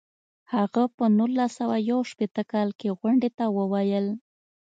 هغه په نولس سوه یو شپیته کال کې غونډې ته وویل.